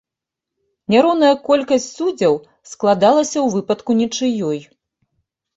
Няроўная колькасць суддзяў складалася ў выпадку нічыёй.